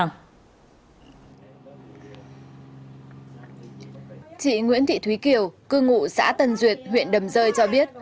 chị nguyễn thị thúy kiều cư ngụ xã tân duyệt huyện đầm rơi cho biết